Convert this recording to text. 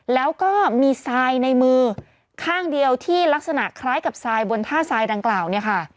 แล้วก็มีทรายในมือข้างเดียวที่ลักษณะคล้ายกับทรายบนท่าทรายดังกล่าวเนี่ยค่ะ